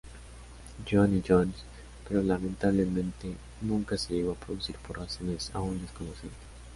John y Jones, pero lamentablemente nunca se llegó a producir por razones aún desconocidas.